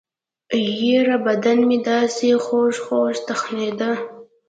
يره بدن مې دسې خوږخوږ تخنېده.